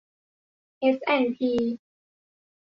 เอสแอนด์พี